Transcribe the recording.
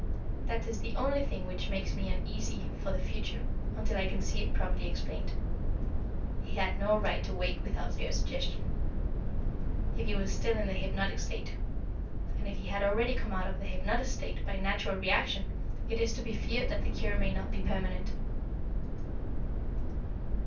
That is the only thing which makes me uneasy for the future, until I can see it properly explained. He had no right to wake without your suggestion, if he was still in the hypnotic state; and if he had already come out of the hypnotic state by a natural reaction, it is to be feared that the cure may not be permanent."